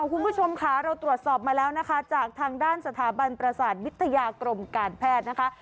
คุณผู้ชมค่ะเราตรวจสอบมาแล้วนะคะจากทางด้านสถาบันประสาทวิทยากรมการแพทย์นะคะ